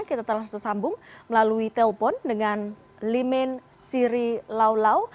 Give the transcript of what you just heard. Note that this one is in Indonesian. kita telah tersambung melalui telpon dengan limin sirilaulau